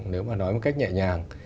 nếu mà nói một cách nhẹ nhàng